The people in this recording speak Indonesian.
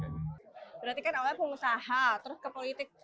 berarti kan awalnya pengusaha terus ke politik